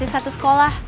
gak ada waktu sekolah